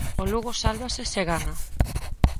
O Lugo sálvase se gana.